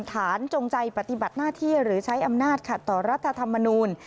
จงใจปฏิบัติหน้าที่หรือใช้อำนาจขัดต่อรัฐธรรมนูล